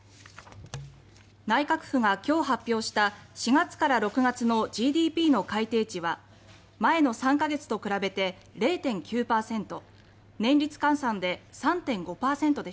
内閣府が今日、発表した４月から６月のＧＤＰの改定値は前の３か月と比べて０．９％年率換算で３．５％でした。